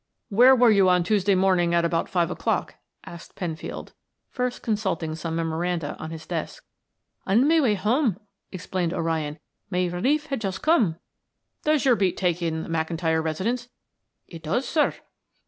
"Where were you on Tuesday morning at about five o'clock?" asked Penfield, first consulting some memoranda on his desk. "On my way home," explained O'Ryan. "My relief had just come." "Does your beat take in the McIntyre residence?" "It does, sir."